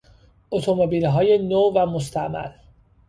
اتومبیلهای نو و مستعمل